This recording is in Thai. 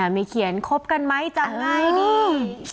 มีเขียนคบกันไหมจะไงนี่